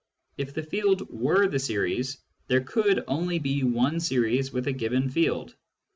If the field were the series, there could only be one series with a given field.